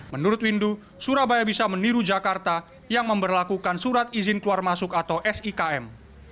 menurut windu surabaya bisa meniru jakarta yang memperlakukan surat izin keluar masuk atau sikm